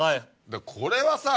これはさ